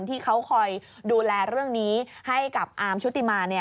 ที่เขาคอยดูแลเรื่องนี้ให้กับอาร์มชุติมา